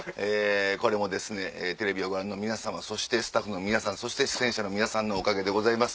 これもテレビをご覧の皆さんそしてスタッフの皆さん出演者の皆さんのおかげです。